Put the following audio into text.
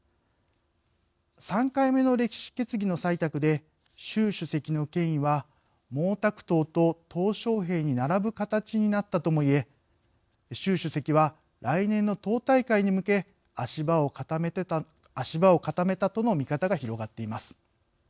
３回目の歴史決議の採択で習主席の権威は毛沢東と小平に並ぶ形になったともいえ習主席は来年の党大会に向け足場を固めたとの見方が広がっています。